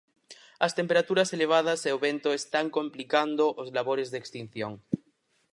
As temperaturas elevadas e o vento están complicando os labores de extinción.